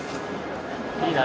いいな。